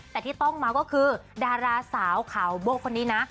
แต่ที่ต้องมาก็คือดาราสาวขาวโบ๊คนนี้นะ